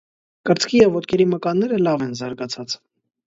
Կրծքի և ոտքերի մկանները լավ են զարգացած։